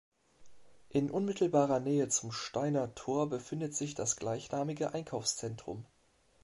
In unmittelbarer Nähe zum Steiner Tor befindet sich das gleichnamige Einkaufszentrum.